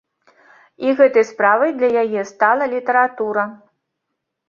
І гэтай справай для яе стала літаратура.